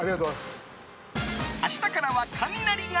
明日からはカミナリが